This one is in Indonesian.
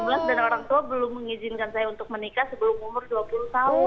mas dan orang tua belum mengizinkan saya untuk menikah sebelum umur dua puluh tahun